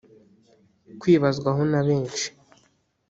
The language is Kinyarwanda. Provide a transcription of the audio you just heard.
Kwibazwaho na benshi